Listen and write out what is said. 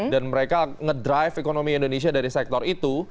dan mereka ngedrive ekonomi indonesia dari sektor itu